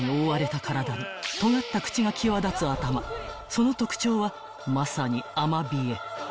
［その特徴はまさにアマビエ］